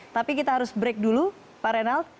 tapi kita harus break dulu pak reynald